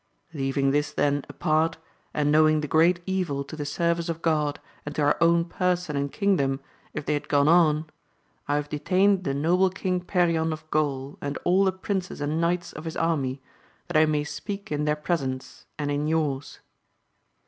Leaving this then apart, and knowing the great evil to the service of God, and to our own person and kingdom, if they had gone on, I have detained the noble King Perion of Gaul and all the princes and knights of his army, that I may speak in their presence, and in yours.